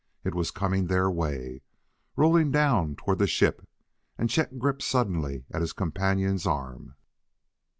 It was coming their way, rolling down toward the ship, and Chet gripped suddenly at his companion's arm.